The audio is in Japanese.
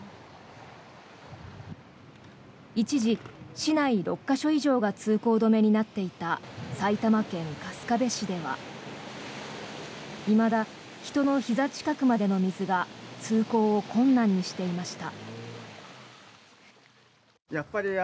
一時、市内６か所以上が通行止めになっていた埼玉県春日部市ではいまだ人のひざ近くまでの水が通行を困難にしていました。